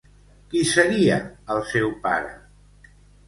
Qui seria el seu pare?